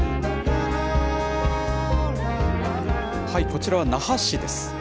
こちらは那覇市です。